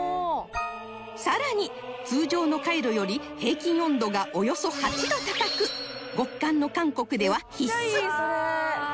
さらに通常のカイロより平均温度がおよそ８度高く極寒の韓国では必須